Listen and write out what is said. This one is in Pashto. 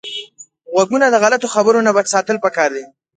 غوږونه د غلطو خبرو نه بچ ساتل پکار دي